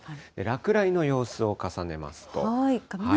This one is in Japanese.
落雷の様子を重ねますと。